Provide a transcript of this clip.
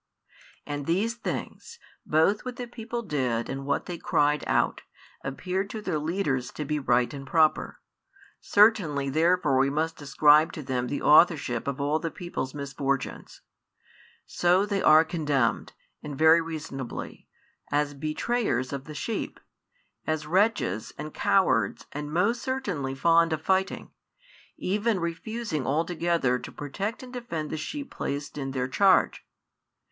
And these things, both what the people did and what they cried out, appeared to their leaders to be right and proper; certainly therefore we must ascribe to them the authorship of all the people's misfortunes. So they are condemned, and very reasonably, as betrayers of the sheep, as wretches and cowards and most certainly 12 fond of fighting, even refusing altogether to protect and defend the sheep placed in their charge.